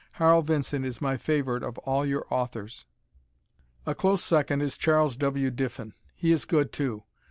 Harl Vincent is my favorite of all your authors. A close second is Charles W. Diffin. He is good, too.